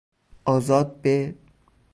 آزاد به